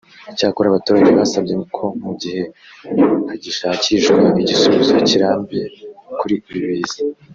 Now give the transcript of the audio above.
Icyakora abaturage basabye ko mu gihe hagishakishwa igisubizo kirambye kuri ibi biza